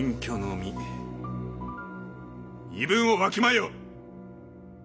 身分をわきまえよ！